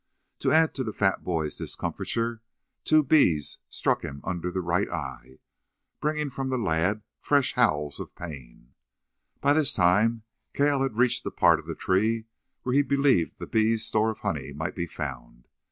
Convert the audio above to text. To add to the fat boy's discomfiture two bees struck him under the right eye, bringing from the lad fresh howls of pain. By this time, Cale had reached the part of the tree where he believed the bees' store of honey might be found.